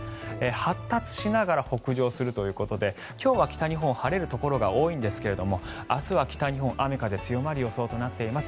発達しながら北上するということで今日は北日本晴れるところが多いんですが明日は北日本、雨風強まる予想となっています。